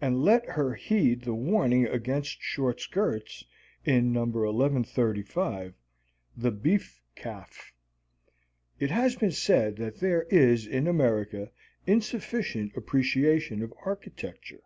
And let her heed the warning against short skirts in No. 1135, "The Beef Calf." It has been said that there is in America insufficient appreciation of architecture.